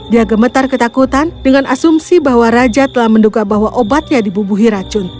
dia gemetar ketakutan dengan asumsi bahwa raja telah menduga bahwa obatnya dibubuhi racun